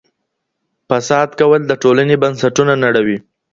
فساد کول د ټولني بنسټونه نړوي.